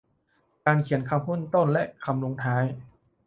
การเขียนคำขึ้นต้นและคำลงท้าย